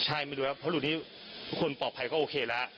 ใช่ไม่ดูแล้วเพราะเดี๋ยวทีคนปลอบภัยก็โอเคล่ะ